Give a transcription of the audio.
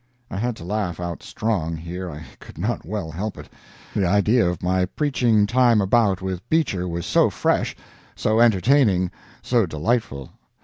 I had to laugh out strong, here I could not well help it. The idea of my preaching time about with Beecher was so fresh, so entertaining, so delightful.